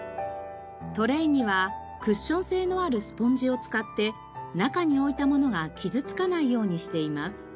トレイにはクッション性のあるスポンジを使って中に置いたものが傷つかないようにしています。